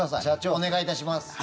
社長、お願いいたします。